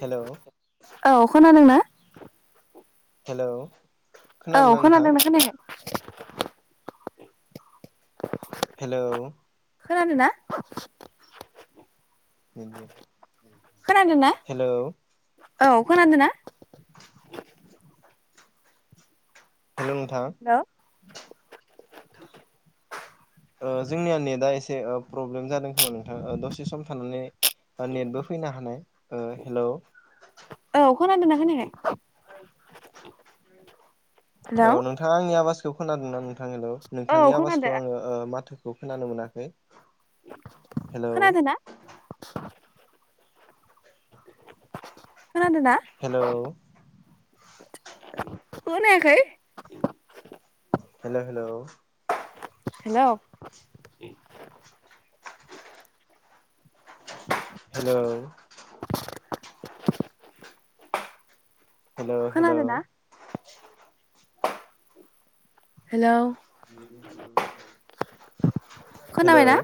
Hello औ खोनादोंना hello औ खोनादोंना खोनायाखै [inaudible] हेल' खोनादो ना? हेल' औ खोनादों ना? हेल' नोंथां हेलौ ओ जोंनिया नेदा एसे प्रब्लेम जादों खोमा नोंथां ओ दसे सम थानानै नेटबो फैनो हानाय ओ हेल' औ खानोदोंना खोनायाखै हेलौ औ नोंथाङा आंनि आवाजखौ खोनादोंना नोंथां हेल' औ नोंथांनि खोनादो आवाजखौ आङो माथो खौ खोनानो मोनाखै हेल' खोनादोंना खोनादों ना हेलौ खोनायाखै हेल' हेल' हेल' हेल' हेल' हेल' खोनादोंना हेल' बिदिनो [unintelligible] हेल' खोनाबायना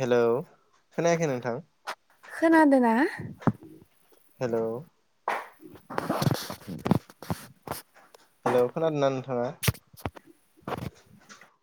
हेलौ खोनायाखै नोंथां खोनादो ना हेल' [unintelligible] हेल' खोनादोंना नोंथाङा [unintelligible]